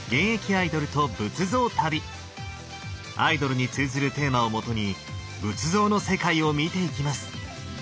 アイドルに通ずるテーマを基に仏像の世界を見ていきます。